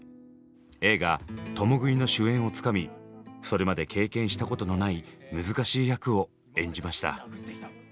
映画「共喰い」の主演をつかみそれまで経験したことのない難しい役を演じました。